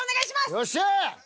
よっしゃ！